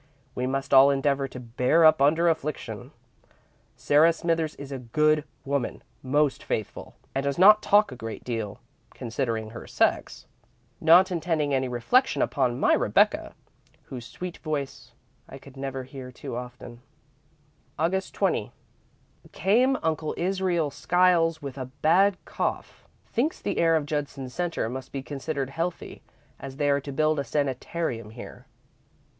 We must all endeavour to bear up under affliction. Sarah Smithers is a good woman, most faithful, and does not talk a great deal, considering her sex. Not intending any reflection upon my Rebecca, whose sweet voice I could never hear too often. "Aug. 20. Came Uncle Israel Skiles with a bad cough. Thinks the air of Judson Centre must be considered healthy as they are to build a sanitarium here.